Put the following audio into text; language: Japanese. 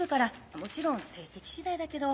もちろん成績次第だけど。